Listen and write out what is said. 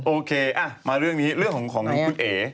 โอเคมาเรื่องนี้เรื่องของของคุณเอ๋